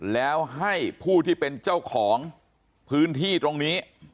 แล้วให้ผู้ที่เป็นเจ้าของพื้นที่ตรงนี้